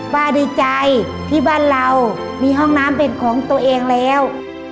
ดีใจที่บ้านเรามีห้องน้ำเป็นของตัวเองแล้ว